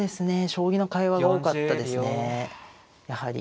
将棋の会話が多かったですねやはり。